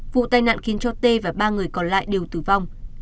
vụ tai nạn khiến cho tê và ba người còn lại đều tử vong